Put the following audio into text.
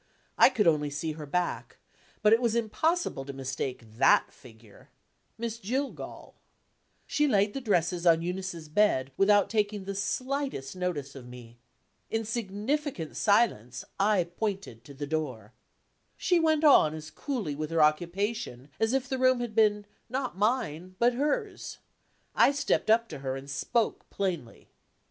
I could only see her back, but it was impossible to mistake that figure Miss Jillgall. She laid the dresses on Eunice's bed, without taking the slightest notice of me. In significant silence I pointed to the door. She went on as coolly with her occupation as if the room had been, not mine but hers; I stepped up to her, and spoke plainly.